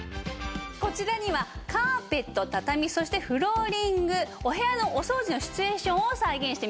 こちらにはカーペット畳そしてフローリングお部屋のお掃除のシチュエーションを再現してみました。